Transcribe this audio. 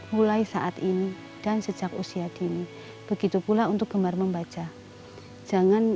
mulai saat ini dan sejak usia dini begitu pula untuk gemar membaca jangan